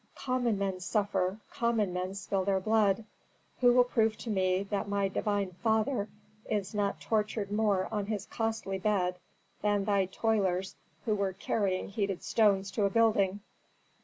Common men suffer, common men spill their blood! Who will prove to me that my divine father is not tortured more on his costly bed than thy toilers who are carrying heated stones to a building?